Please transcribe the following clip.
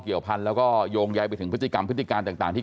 เกี่ยวพันธุ์แล้วก็โยงใยไปถึงพฤติกรรมพฤติการต่างที่